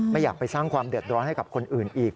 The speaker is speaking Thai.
ไม่อยากไปสร้างความเดือดร้อนให้กับคนอื่นอีก